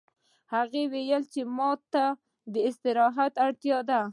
هغې وویل چې ما ته د استراحت اړتیا ده